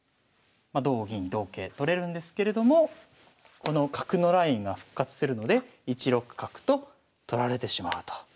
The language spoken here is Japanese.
まあ同銀同桂取れるんですけれどもこの角のラインが復活するので１六角と取られてしまうと。